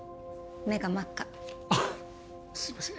目が真っ赤あっすいません